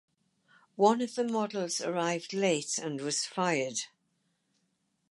One of the models arrived late and was fired.